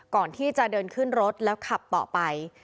ก่อนที่จะเดินขึ้นรถแล้วขับต่อไป